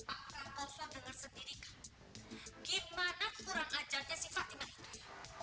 abraha soh denger sendiri kan gimana orang ajarnya si fatimah itu